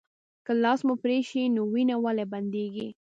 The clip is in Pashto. که لاس مو پرې شي نو وینه ولې بندیږي